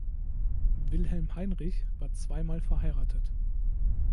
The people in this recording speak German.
Wilhelm Heinrich war zweimal verheiratet.